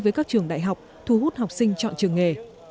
với các trường đại học thu hút học sinh chọn trường nghề